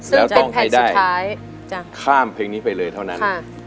แล้วต้องให้ได้ข้ามเพลงนี้ไปเลยเท่านั้น